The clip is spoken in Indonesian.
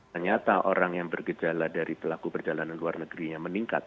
ternyata orang yang bergejala dari pelaku berjalanan luar negeri yang meningkat